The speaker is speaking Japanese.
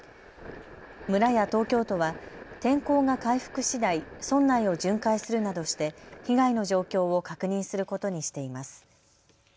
村や東京都は天候が回復しだい、村内を巡回するなどして被害の状況を確認することにしています。